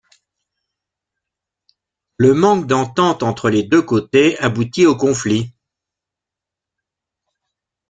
Le manque d'entente entre les deux côtés aboutit au conflit.